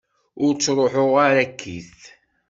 Ur truḥuɣ ara akkit.